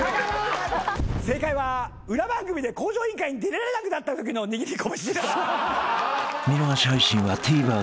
正解は裏番組で『向上委員会』に出られなくなったときの握り拳でした。